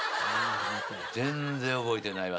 全然覚えてないわ